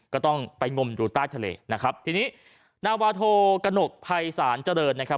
ก็ต้องไปงมดูใต้ทะเลนะครับทีนี้นาวาโทกระหนกภัยศาลเจริญนะครับ